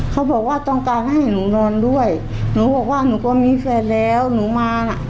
เขาบอกว่าต้องการให้หนูนอนด้วยหนูบอกว่าหนูก็มีแฟนแล้วหนูมาน่ะ